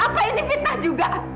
apa ini fitnah juga